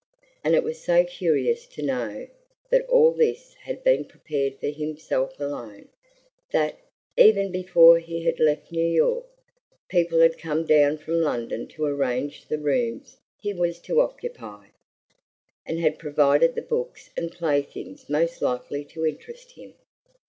And it was so curious to know that all this had been prepared for himself alone; that, even before he had left New York, people had come down from London to arrange the rooms he was to occupy, and had provided the books and playthings most likely to interest him.